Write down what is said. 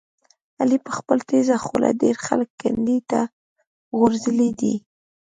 علي په خپله تېزه خوله ډېر خلک کندې ته غورځولي دي.